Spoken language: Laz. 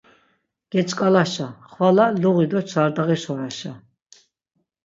Geç̆k̆alaşa, xvala luği do çardağiş oraşa.